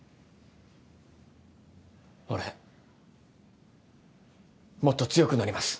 俺もっと強くなります。